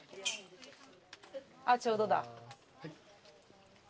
あっちょうどだ。